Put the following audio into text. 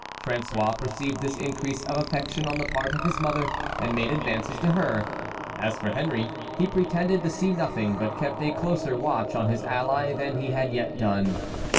François perceived this increase of affection on the part of his mother and made advances to her. As for Henry, he pretended to see nothing, but kept a closer watch on his ally than he had yet done.